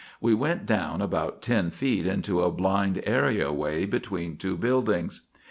We went down about ten feet into a blind areaway between two buildings.